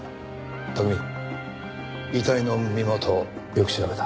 拓海遺体の身元よく調べた。